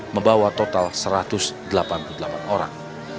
membawa total satu ratus delapan puluh delapan orang